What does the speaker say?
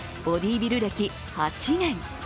ボディービル歴８年。